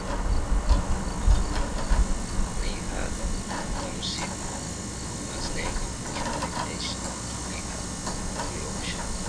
Rhinehart Township was named for Captain A. C. Rhinehart, a county official.